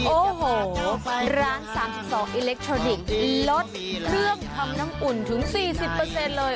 โอ้โหร้านสามสิบสองอิเล็กทรอนิกส์ลดเครื่องคำน้ำอุ่นถึงสี่สิบเปอร์เซ็นต์เลย